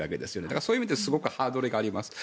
そういう意味ですごくハードルがあります。